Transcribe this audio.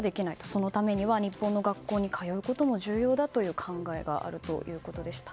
そのためには日本の学校に通うことも重要だという考えがあるということでした。